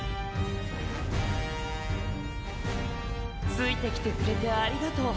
ついてきてくれてありがとう。